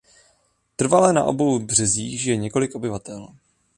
Trvale na obou březích žije několik obyvatel.